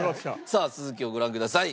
さあ続きをご覧ください。